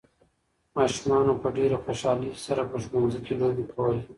ماشومانو په ډېرې خوشالۍ سره په ښوونځي کې لوبې کولې.